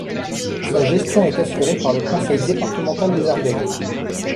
Sa gestion est assurée par le Conseil départemental des Ardennes.